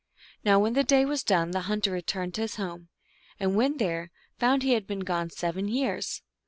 Now when the day was done the hunter returned to his home, and when there, found he had been gone seven years.